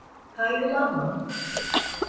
Kaygılanma.